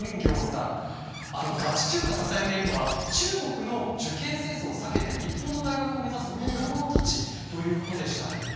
ガチ中華支えているのは中国の受験戦争を避けて日本の大学を目指す若者たちということでしたけれども。